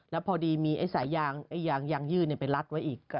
แล้วพอดีมีไอ้สายยางยางยื่นไปรัดไว้อีก